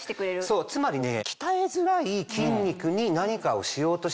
そうつまりね。